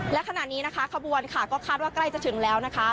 และขณะนี้นะคะขบวนค่ะก็คาดว่าใกล้จะถึงแล้วนะคะ